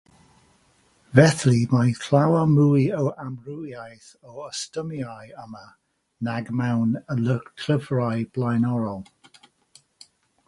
Felly mae llawer mwy o amrywiaeth o ystumiau yma nag mewn llyfrau blaenorol.